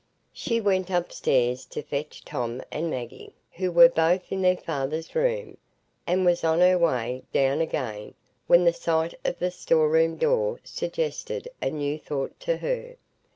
She went upstairs to fetch Tom and Maggie, who were both in their father's room, and was on her way down again, when the sight of the storeroom door suggested a new thought to her.